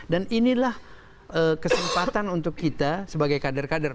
dan inilah kesempatan untuk kita sebagai kader kader